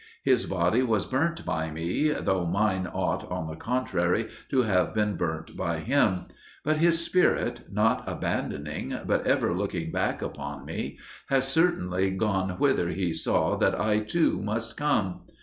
His body was burnt by me, though mine ought, on the contrary, to have been burnt by him; but his spirit, not abandoning, but ever looking back upon me, has certainly gone whither he saw that I too must come.